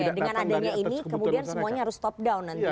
dengan adanya ini kemudian semuanya harus top down nantinya ya